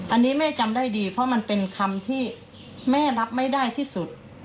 อันนี้แม่จำได้ดีเพราะมันเป็นคำที่แม่รับไม่ได้ที่สุด